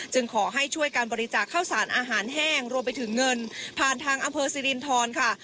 ขอให้ช่วยการบริจาคข้าวสารอาหารแห้งรวมไปถึงเงินผ่านทางอำเภอสิรินทรค่ะ